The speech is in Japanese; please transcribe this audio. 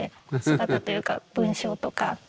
姿というか文章とか。